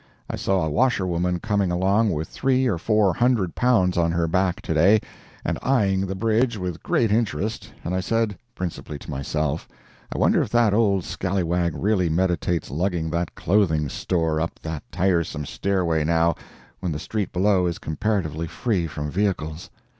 I saw a washerwoman coming along with three or four hundred pounds on her back to day, and eyeing the bridge with great interest, and I said, principally to myself, I wonder if that old scalliwag really meditates lugging that clothing store up that tiresome stairway now, when the street below is comparatively free from vehicles?